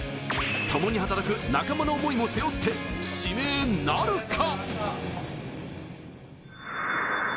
ともに働く仲間の思いも背負って指名なるか？